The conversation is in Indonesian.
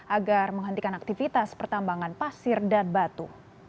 agar menghentikan aktivitas pertambangan pasir dan batu